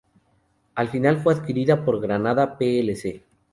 Al final fue adquirida por Granada plc.